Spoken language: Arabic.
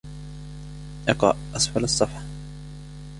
إقرأ أسفل الصفحة.